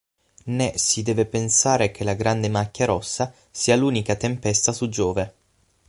Né si deve pensare che la Grande Macchia Rossa sia l'unica tempesta su Giove.